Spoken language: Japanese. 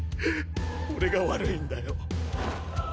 俺が悪いんだよ。